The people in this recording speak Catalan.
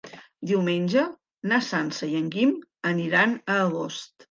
Diumenge na Sança i en Guim aniran a Agost.